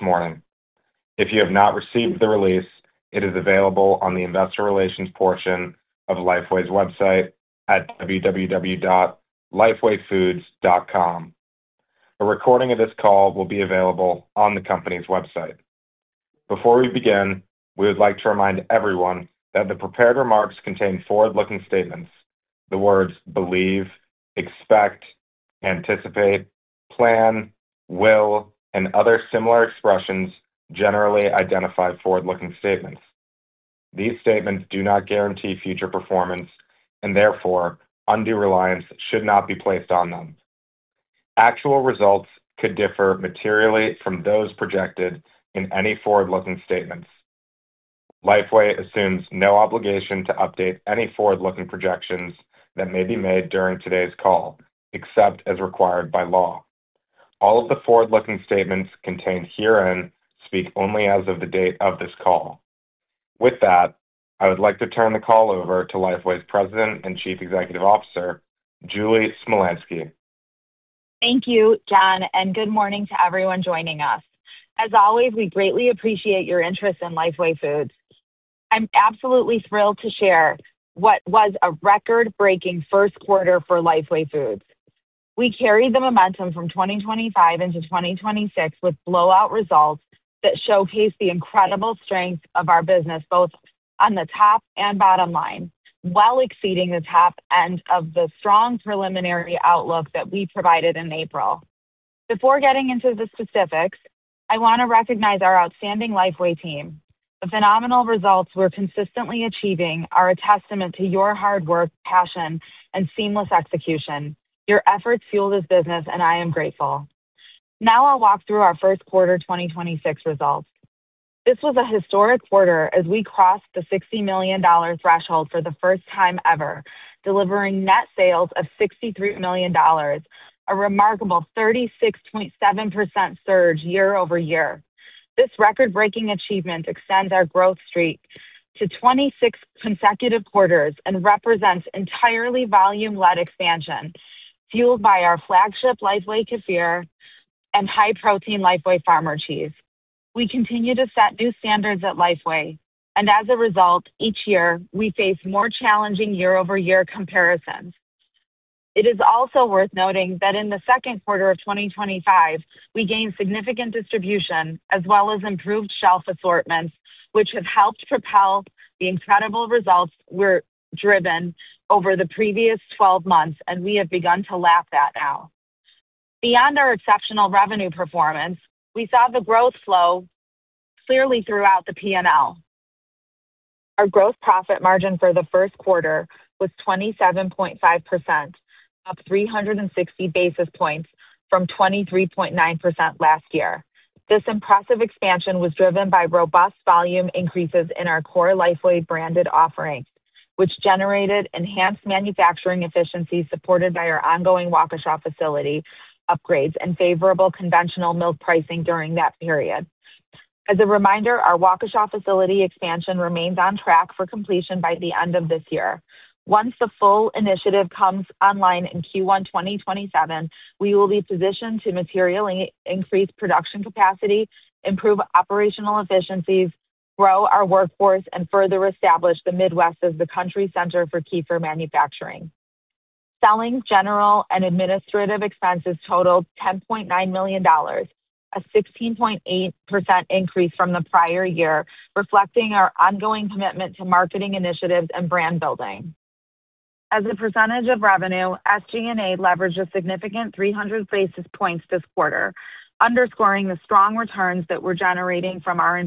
This morning. If you have not received the release, it is available on the investor relations portion of Lifeway's website at www.lifewayfoods.com. A recording of this call will be available on the company's website. Before we begin, we would like to remind everyone that the prepared remarks contain forward-looking statements. The words believe, expect, anticipate, plan, will, and other similar expressions generally identify forward-looking statements. These statements do not guarantee future performance, and therefore undue reliance should not be placed on them. Actual results could differ materially from those projected in any forward-looking statements. Lifeway assumes no obligation to update any forward-looking projections that may be made during today's call, except as required by law. All of the forward-looking statements contained herein speak only as of the date of this call. With that, I would like to turn the call over to Lifeway's President and Chief Executive Officer, Julie Smolyansky. Thank you, John, and good morning to everyone joining us. As always, we greatly appreciate your interest in Lifeway Foods. I'm absolutely thrilled to share what was a record-breaking first quarter for Lifeway Foods. We carried the momentum from 2025 into 2026 with blowout results that showcase the incredible strength of our business, both on the top and bottom line, while exceeding the top end of the strong preliminary outlook that we provided in April. Before getting into the specifics, I want to recognize our outstanding Lifeway team. The phenomenal results we're consistently achieving are a testament to your hard work, passion, and seamless execution. Your efforts fuel this business, and I am grateful. Now, I'll walk through our first quarter 2026 results. This was a historic quarter as we crossed the $60 million threshold for the first time ever, delivering net sales of $63 million, a remarkable 36.7% surge year-over-year. This record-breaking achievement extends our growth streak to 26 consecutive quarters and represents entirely volume-led expansion, fueled by our flagship Lifeway Kefir and high-protein Lifeway Farmer Cheese. We continue to set new standards at Lifeway, and as a result, each year, we face more challenging year-over-year comparisons. It is also worth noting that in the second quarter of 2025, we gained significant distribution as well as improved shelf assortments, which have helped propel the incredible results we're driven over the previous 12 months, and we have begun to lap that now. Beyond our exceptional revenue performance, we saw the growth flow clearly throughout the P&L. Our gross profit margin for the first quarter was 27.5%, up 360 basis points from 23.9% last year. This impressive expansion was driven by robust volume increases in our core Lifeway-branded offerings, which generated enhanced manufacturing efficiency supported by our ongoing Waukesha facility upgrades and favorable conventional milk pricing during that period. As a reminder, our Waukesha facility expansion remains on track for completion by the end of this year. Once the full initiative comes online in Q1 2027, we will be positioned to materially increase production capacity, improve operational efficiencies, grow our workforce, and further establish the Midwest as the country's center for kefir manufacturing. Selling, general, and administrative expenses totaled $10.9 million, a 16.8% increase from the prior year, reflecting our ongoing commitment to marketing initiatives and brand building. As a percentage of revenue, SG&A leveraged a significant 300 basis points this quarter, underscoring the strong returns that we're generating from our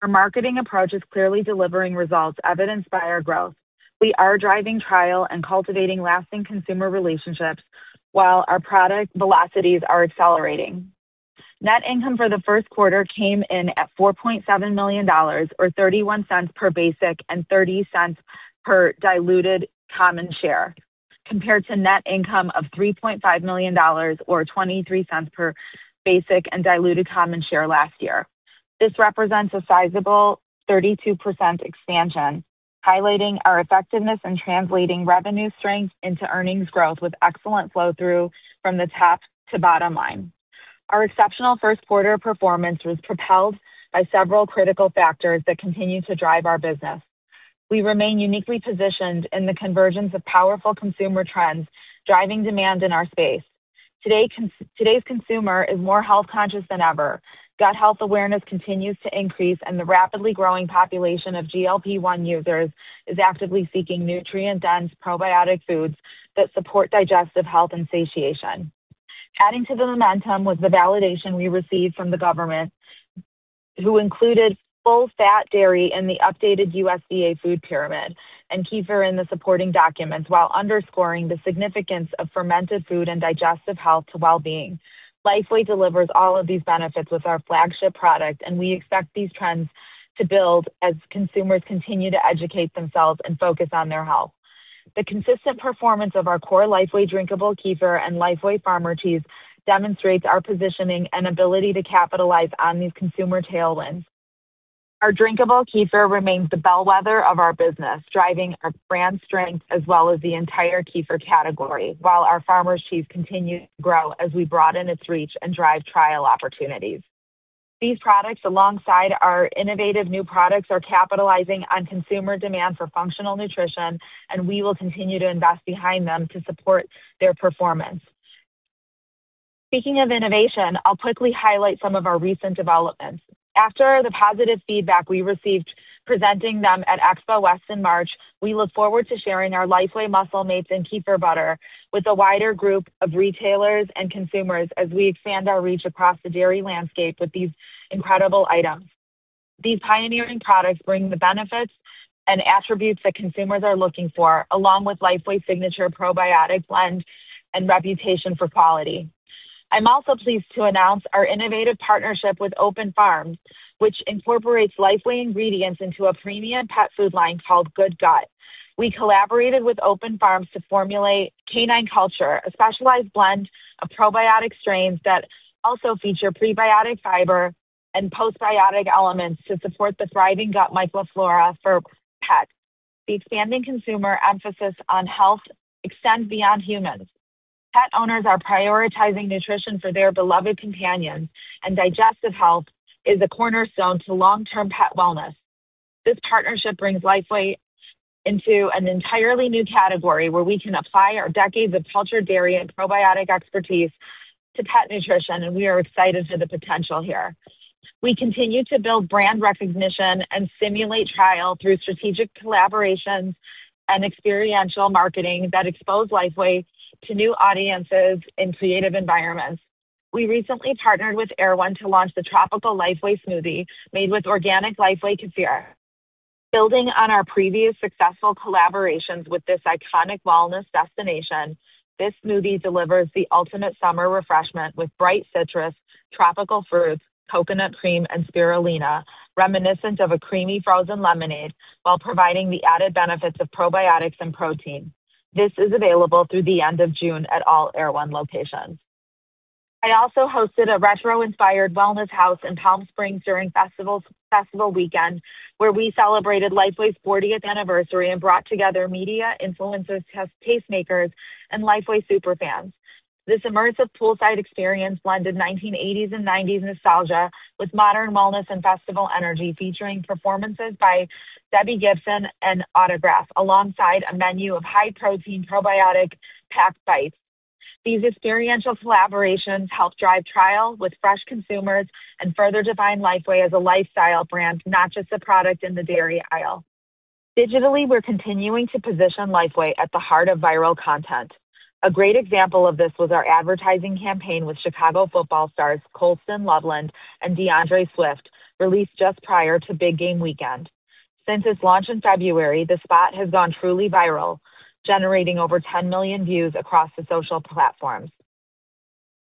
investments. Our marketing approach is clearly delivering results evidenced by our growth. We are driving trial and cultivating lasting consumer relationships while our product velocities are accelerating. Net income for the first quarter came in at $4.7 million or $0.31 per basic and $0.30 per diluted common share, compared to net income of $3.5 million or $0.23 per basic and diluted common share last year. This represents a sizable 32% expansion, highlighting our effectiveness in translating revenue strength into earnings growth with excellent flow-through from the top to bottom line. Our exceptional first quarter performance was propelled by several critical factors that continue to drive our business. We remain uniquely positioned in the convergence of powerful consumer trends, driving demand in our space. Today's consumer is more health-conscious than ever. Gut health awareness continues to increase, and the rapidly growing population of GLP-1 users is actively seeking nutrient-dense probiotic foods that support digestive health and satiation. Adding to the momentum was the validation we received from the government, who included full-fat dairy in the updated USDA Food Pyramid and Kefir in the supporting documents, while underscoring the significance of fermented food and digestive health to well-being. Lifeway delivers all of these benefits with our flagship product, and we expect these trends to build as consumers continue to educate themselves and focus on their health. The consistent performance of our core Lifeway drinkable Kefir and Lifeway Farmer Cheese demonstrates our positioning and ability to capitalize on these consumer tailwinds. Our drinkable kefir remains the bellwether of our business, driving our brand strength as well as the entire kefir category, while our farmer's cheese continues to grow as we broaden its reach and drive trial opportunities. These products, alongside our innovative new products, are capitalizing on consumer demand for functional nutrition. We will continue to invest behind them to support their performance. Speaking of innovation, I'll quickly highlight some of our recent developments. After the positive feedback we received presenting them at Expo West in March, we look forward to sharing our Lifeway Muscle Mates and Kefir Butter with a wider group of retailers and consumers as we expand our reach across the dairy landscape with these incredible items. These pioneering products bring the benefits and attributes that consumers are looking for, along with Lifeway's signature probiotic blend and reputation for quality. I'm also pleased to announce our innovative partnership with Open Farm, which incorporates Lifeway ingredients into a premium pet food line called GoodGut. We collaborated with Open Farm to formulate Canine Culture, a specialized blend of probiotic strains that also feature prebiotic fiber and postbiotic elements to support the thriving gut microflora for pets. The expanding consumer emphasis on health extends beyond humans. Pet owners are prioritizing nutrition for their beloved companions, and digestive health is a cornerstone to long-term pet wellness. This partnership brings Lifeway into an entirely new category where we can apply our decades of cultured dairy and probiotic expertise to pet nutrition, and we are excited for the potential here. We continue to build brand recognition and stimulate trial through strategic collaborations and experiential marketing that expose Lifeway to new audiences in creative environments. We recently partnered with Erewhon to launch the Tropical Lifeway Smoothie made with organic Lifeway Kefir. Building on our previous successful collaborations with this iconic wellness destination, this smoothie delivers the ultimate summer refreshment with bright citrus, tropical fruits, coconut cream, and spirulina, reminiscent of a creamy frozen lemonade, while providing the added benefits of probiotics and protein. This is available through the end of June at all Erewhon locations. I also hosted a retro-inspired wellness house in Palm Springs during festival weekend, where we celebrated Lifeway's 40th anniversary and brought together media influencers, tastemakers, and Lifeway super fans. This immersive poolside experience blended 1980s and 1990s nostalgia with modern wellness and festival energy, featuring performances by Debbie Gibson and Autograf, alongside a menu of high-protein probiotic packed bites. These experiential collaborations help drive trial with fresh consumers and further define Lifeway as a lifestyle brand, not just a product in the dairy aisle. Digitally, we're continuing to position Lifeway at the heart of viral content. A great example of this was our advertising campaign with Chicago football stars Colston Loveland and D'Andre Swift, released just prior to big game weekend. Since its launch in February, the spot has gone truly viral, generating over 10 million views across the social platforms.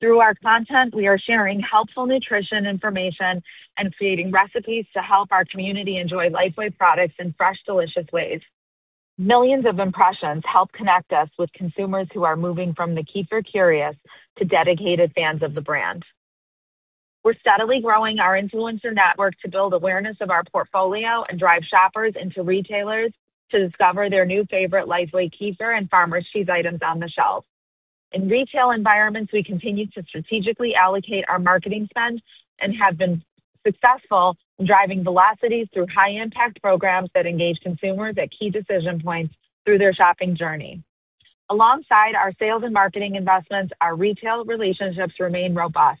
Through our content, we are sharing helpful nutrition information and creating recipes to help our community enjoy Lifeway products in fresh, delicious ways. Millions of impressions help connect us with consumers who are moving from the kefir curious to dedicated fans of the brand. We're steadily growing our influencer network to build awareness of our portfolio and drive shoppers into retailers to discover their new favorite Lifeway Kefir and Farmer's Cheese items on the shelf. In retail environments, we continue to strategically allocate our marketing spend and have been successful in driving velocities through high-impact programs that engage consumers at key decision points through their shopping journey. Alongside our sales and marketing investments, our retail relationships remain robust.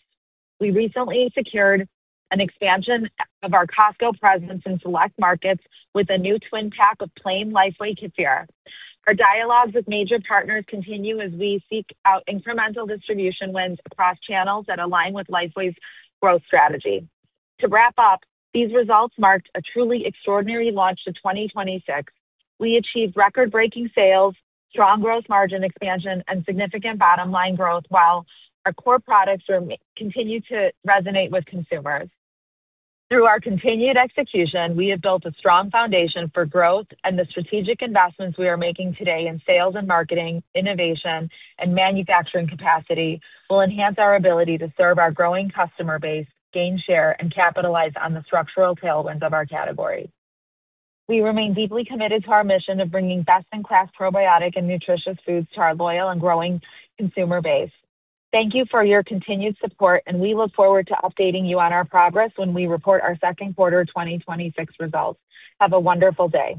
We recently secured an expansion of our Costco presence in select markets with a new twin pack of plain Lifeway Kefir. Our dialogues with major partners continue as we seek out incremental distribution wins across channels that align with Lifeway's growth strategy. To wrap up, these results marked a truly extraordinary launch to 2026. We achieved record-breaking sales, strong gross margin expansion, and significant bottom line growth while our core products continue to resonate with consumers. Through our continued execution, we have built a strong foundation for growth and the strategic investments we are making today in sales and marketing, innovation, and manufacturing capacity will enhance our ability to serve our growing customer base, gain share, and capitalize on the structural tailwinds of our category. We remain deeply committed to our mission of bringing best-in-class probiotic and nutritious foods to our loyal and growing consumer base. Thank you for your continued support, and we look forward to updating you on our progress when we report our second quarter of 2026 results. Have a wonderful day.